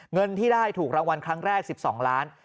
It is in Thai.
เงินที่ได้ถูกรางวัลครั้งแรก๑๒ล้าน